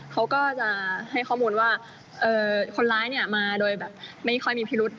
เขาก็จะให้ข้อมูลว่าคนร้ายเนี่ยมาโดยแบบไม่ค่อยมีพิรุษ